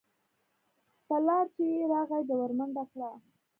پلار چې يې راغى ده ورمنډه کړه.